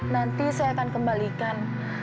nanti saya akan kembalikan